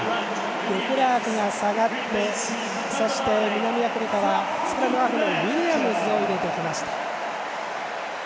デクラークが下がって南アフリカはスクラムハーフのウィリアムズを入れてきました。